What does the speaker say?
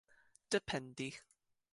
dependi